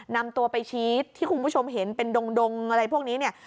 นำตัวไปชี้ที่คุณผู้ชมเห็นเป็นดงอะไรพวกนี้เนี่ย